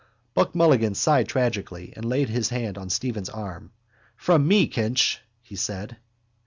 Buck Mulligan sighed tragically and laid his hand on Stephen's arm. —From me, Kinch, he said.